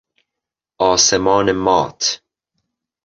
آسمان مات